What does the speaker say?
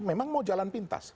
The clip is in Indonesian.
memang mau jalan pintas